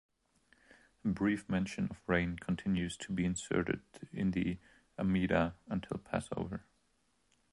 A brief mention of rain continues to be inserted in the "amidah" until Passover.